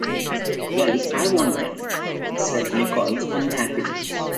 "Well, I won't then," said Nicholls unhappily.